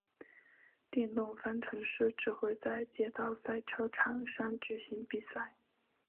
电动方程式只会在街道赛车场上举行比赛。